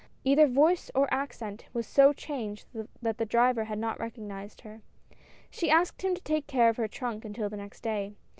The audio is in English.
Either voice or accent was so changed that the driver had not recog nized her. She asked him to take care of her trunk until the next day.